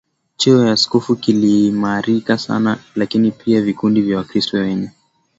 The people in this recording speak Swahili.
cheo cha Askofu kiliimarika sana lakini pia vikundi vya Wakristo wenye